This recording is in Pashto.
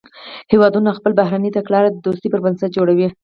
هیوادونه خپله بهرنۍ تګلاره د دوستۍ پر بنسټ جوړوي